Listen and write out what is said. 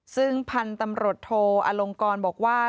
ซึ่งพันธุ์ตำรวจโทอลงกรบอกว่า